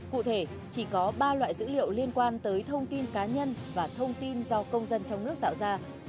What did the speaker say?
cụ thể chỉ có ba loại dữ liệu liên quan tới thông tin cá nhân và thông tin do công dân trong nước tạo ra